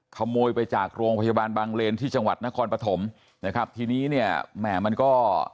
ขโมยไปจากโรงพยาบาลบางเลนที่จังหวัดนครปฐมนะครับทีนี้เนี่ยแหม่มันก็